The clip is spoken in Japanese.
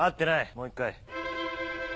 もう１回。